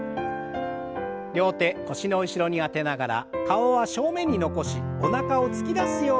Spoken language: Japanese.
両手腰の後ろに当てながら顔は正面に残しおなかを突き出すようにして